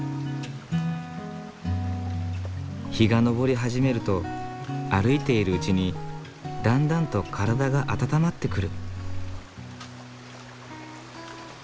日が昇り始めると歩いているうちにだんだんと体が温まってくる。